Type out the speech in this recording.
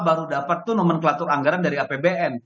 baru dapat tuh nomenklatur anggaran dari apbn